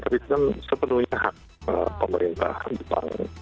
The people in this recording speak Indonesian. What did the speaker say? tapi itu kan sepenuhnya hak pemerintah jepang